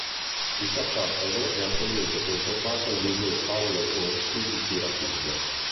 Il sarcofago è attualmente conservato al Museo Paolo Orsi di Siracusa.